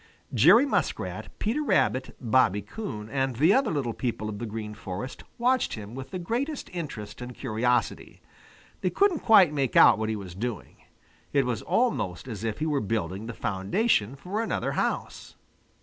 Jerry Muskrat, Peter Rabbit, Bobby Coon, and the other little people of the Green Forest watched him with the greatest interest and curiosity. They couldn't quite make out what he was doing. It was almost as if he were building the foundation for another house.